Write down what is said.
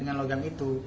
dengan logam itu